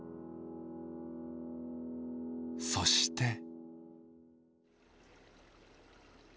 そして。